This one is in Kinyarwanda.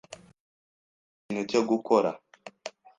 Hariho ikintu cyo gukora.